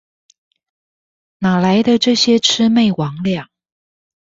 哪來的這些魑魅魍魎？